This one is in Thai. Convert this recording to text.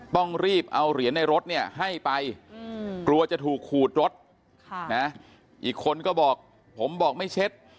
ต้องรีบเอาเหรียญในรถเนี่ยให้ไปกลัวจะถูกขูดรถอีกคนก็บอกผมบอกไม่เช็ด